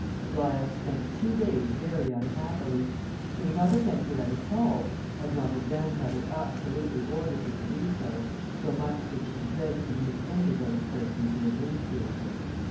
Aglaïa spent two days very unhappily; she would not have ventured out at all, had not her grandmother absolutely ordered her to do so, so much did she dread to meet any of those persons who had ridiculed her.